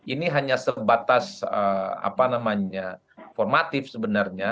ini hanya sebatas formatif sebenarnya